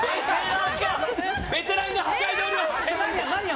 ベテランがはしゃいでおります。